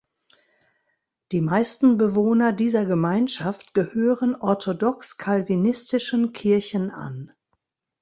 Die meisten Bewohner dieser Gemeinschaft gehören orthodox calvinistischen Kirchen an.